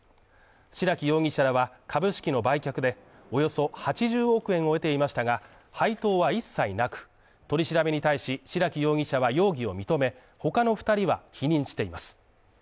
白木容疑者らは、株式の売却でおよそ８０億円を得ていましたが、配当は一切なく、取り調べに対し白木容疑者は容疑を認め、他の２人は否認しています。